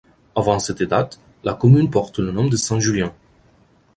Avant cette date, la commune porte le nom de Saint-Julien.